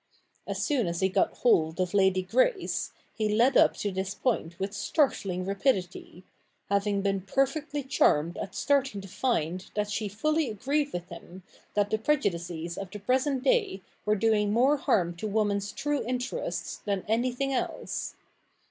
As soon as he got hold of Lady Grace, he led up to this point with startling rapidity ; having been perfectly charmed at starting to' find that she fully agreed with him that the prejudices of the present day were doing more harm to woman's true interests than anything else.